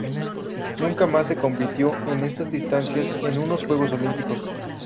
Nunca más se compitió en estas distancias en unos Juegos olímpicos.